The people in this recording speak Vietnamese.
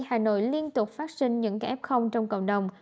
hà nội liên tục phát sinh những cái f trong cộng đồng